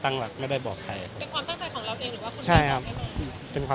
ตอนนี้ก็เข้าใจกันดีแล้วครับ